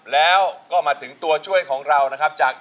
แล้วก็มาถึงตัวช่วยของเรานะครับจาก